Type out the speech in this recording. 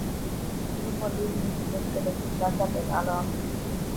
Nu vorbim nici despre legislația penală acum.